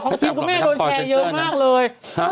ของทีมคุณแม่โดนแชร์เยอะมากเลย